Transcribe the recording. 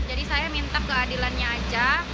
jadi saya minta keadilannya aja